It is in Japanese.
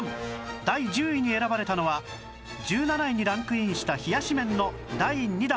第１０位に選ばれたのは１７位にランクインした冷やし麺の第２弾